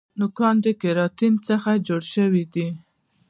نوکان د کیراټین څخه جوړ شوي دي